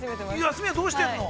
◆休みはどうしてるの。